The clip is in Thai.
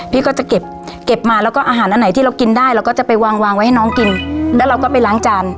พี่ก็จะเก็บมาแล้วก็อาหารอันไหนที่เรากินได้เราก็จะไปวางวางไว้ให้น้องกินแล้วเราก็ไปล้างจาน